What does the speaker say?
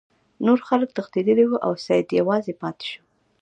نور خلک تښتیدلي وو او سید یوازې پاتې شو.